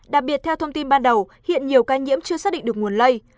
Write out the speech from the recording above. đặc biệt theo thông tin ban đầu hiện nhiều ca nhiễm chưa xác định được nguồn lây